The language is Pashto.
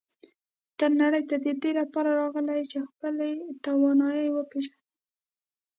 ته نړۍ ته د دې لپاره راغلی یې چې خپلې توانایی وپېژنې.